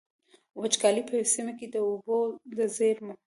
وچکالي په يوې سيمې کې د اوبو د زېرمو.